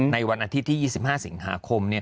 ในวันอาทิตย์ที่๒๕สิงหาคม